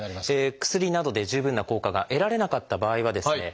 薬などで十分な効果が得られなかった場合はですね